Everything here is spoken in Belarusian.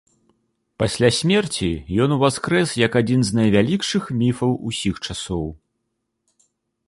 Пасля смерці ён уваскрэс як адзін з найвялікшых міфаў усіх часоў.